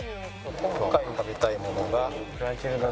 今回食べたいものが。